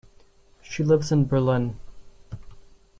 She lives in Berlin.